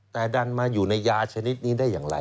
แต่ดันมาอยู่ในยาชนิดนี้ได้อย่างไร